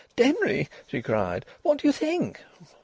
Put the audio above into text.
"Denry," she cried, "what do you think?"